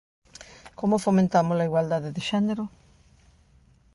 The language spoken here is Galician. ¿Como fomentamos a igualdade de xénero?